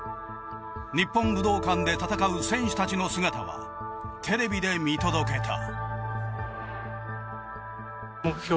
日本武道館で戦う選手たちの姿はテレビで見届けた。